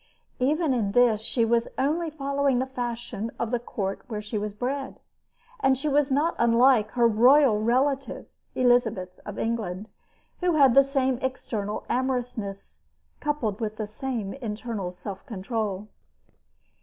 Even in this she was only following the fashion of the court where she was bred, and she was not unlike her royal relative, Elizabeth of England, who had the same external amorousness coupled with the same internal self control.